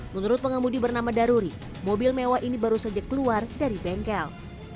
menurut pengemudi bernama daruri mobil mewah ini baru saja keluar dari bengkel